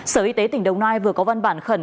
sở y tế tỉnh đồng nai vừa có văn bản khẩn